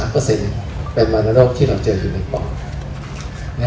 เป็นวรรณโรคที่เราเจออยู่ในปอด